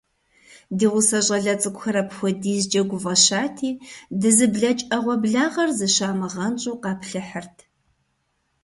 Ди гъусэ щIалэ цIыкIухэр апхуэдизкIэ гуфIэщати, дызыблэкI Iэгъуэблагъэр, зыщамыгъэнщIу, къаплъыхьырт.